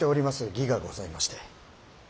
儀がございまして。